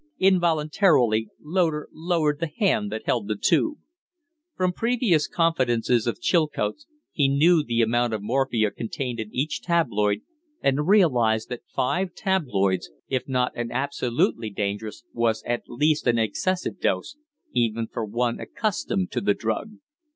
Involuntarily Loder lowered the hand that held the tube. From previous confidences of Chilcote's he knew the amount of morphia contained in each tabloid, and realized that five tabloids, if not an absolutely dangerous, was at least an excessive dose, even for one accustomed to the drug.